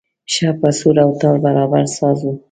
ښه په سور او تال برابر ساز و.